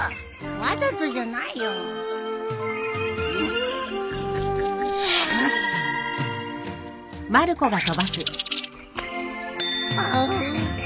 わざとじゃないよ。はうっ。